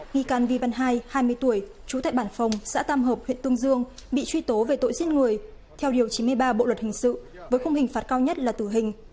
nghi can vi văn hai hai mươi tuổi trú tại bản phòng xã tam hợp huyện tương dương bị truy tố về tội giết người theo điều chín mươi ba bộ luật hình sự với khung hình phạt cao nhất là tử hình